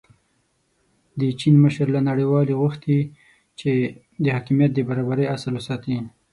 د چین مشر له نړیوالې غوښتي چې د حاکمیت د برابرۍ اصل وساتي.